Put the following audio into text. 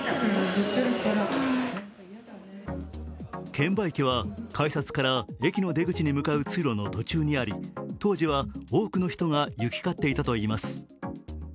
券売機は改札から駅の出口に向かう通路の途中にあり、当時は多くの人が行き交っていたといいます。